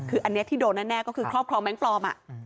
คืออันนี้ที่โดนแน่ก็คือครอบครองแบงค์ปลอม